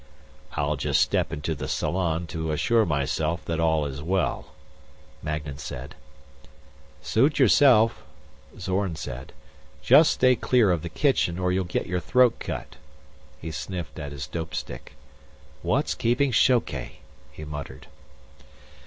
"I'll just step into the salon to assure myself that all is well," Magnan said. "Suit yourself," Zorn said. "Just stay clear of the kitchen, or you'll get your throat cut." He sniffed at his dope stick. "What's keeping Shoke?" he muttered.